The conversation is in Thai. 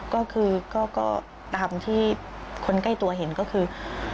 ก็คือก็ตามที่คนใกล้ตัวเห็นก็คือ